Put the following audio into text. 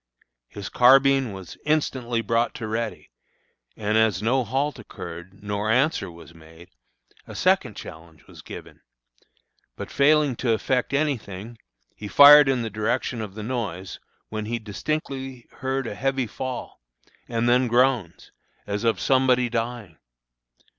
His carbine was instantly brought to a ready, and as no halt occurred nor answer was made, a second challenge was given; but failing to effect any thing, he fired in the direction of the noise, when he distinctly heard a heavy fall, and then groans, as of somebody dying.